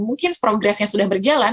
mungkin progressnya sudah berjalan